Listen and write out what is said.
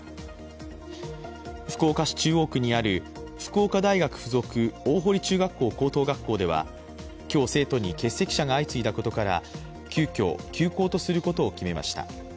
福岡市中央区にある福岡大学附属大濠中学校高等学校では今日、生徒に欠席者が相次いだことから、急きょ休校とすることを決めました。